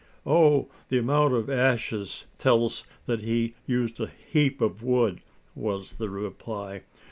"Oh! the amount of ashes tells that he used a heap of wood," was the reply.